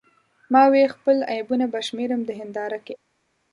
ما وې خپل عیبونه به شمیرم د هنداره کې